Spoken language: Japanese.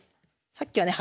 さっきはね